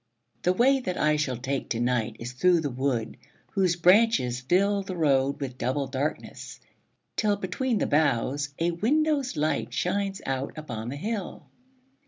The way that I shall take to night Is through the wood whose branches fill The road with double darkness, till, Between the boughs, a window's light Shines out upon the hill.